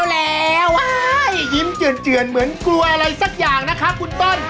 แล้วยิ้มเจือนเหมือนกลัวอะไรสักอย่างนะครับคุณต้น